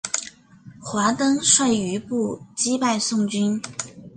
华登率余部击败宋军。